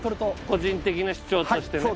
個人的な主張としてね。